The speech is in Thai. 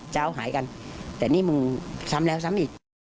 จะเอาหายกันแต่นี่มึงซ้ำแล้วซ้ำอีก